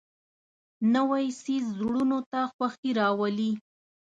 نوی څېز زړونو ته خوښي راولي